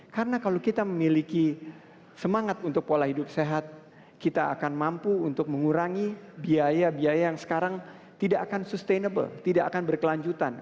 karena kalau kita memiliki semangat untuk pola hidup sehat kita akan mampu untuk mengurangi biaya biaya yang sekarang tidak akan sustainable tidak akan berkelanjutan